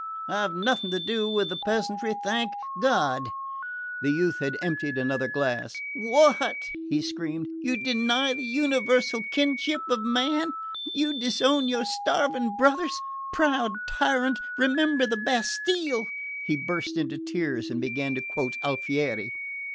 I've nothing to do with the peasantry, thank God!" The youth had emptied another glass. "What?" he screamed. "You deny the universal kinship of man? You disown your starving brothers? Proud tyrant, remember the Bastille!" He burst into tears and began to quote Alfieri.